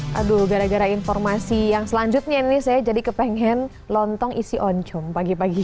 hai aduh gara gara informasi yang selanjutnya ini saya jadi kepengen lontong isi oncom pagi pagi